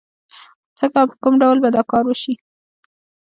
خو څنګه او په کوم ډول به دا کار وشي؟